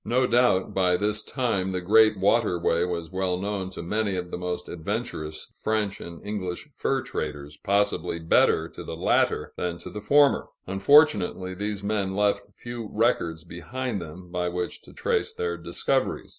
No doubt, by this time, the great waterway was well known to many of the most adventurous French and English fur traders, possibly better to the latter than to the former; unfortunately, these men left few records behind them, by which to trace their discoveries.